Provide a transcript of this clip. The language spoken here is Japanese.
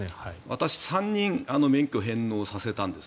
私３人免許を返納させたんです。